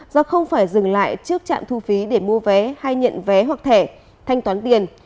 do không phải dừng lại trước trạm thu phí để mua vé hay nhận vé hoặc thẻ thanh toán tiền